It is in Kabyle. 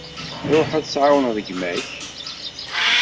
Ruḥ ad tεawneḍ gma-k.